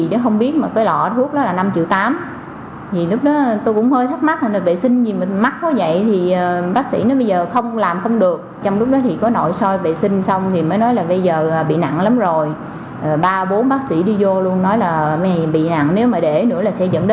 rồi không sinh con được vô sinh này kia